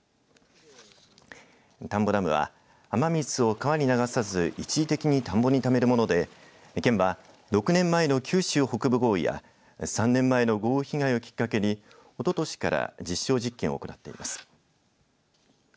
田んぼダムは雨水を川に流さず一時的に田んぼにためるもので県は６年前の九州北部豪雨や３年前の豪雨被害をきっかけにおととしから実証実験を行っています。